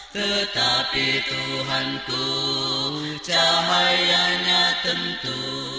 tetapi tuhan ku cahayanya tentu